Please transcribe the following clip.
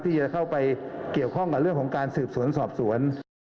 ที่จะเข้าไปเกี่ยวข้องกับเรื่องของการสืบสวนสอบสวน